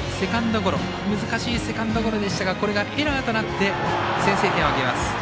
難しいセカンドゴロでしたがこれがエラーとなって先制点を挙げます。